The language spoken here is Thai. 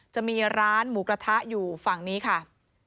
จะมีร้านหมูกระทะอยู่ฝั่งนี้ค่ะ